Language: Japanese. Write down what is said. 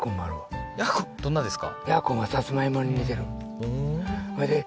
どんなですか？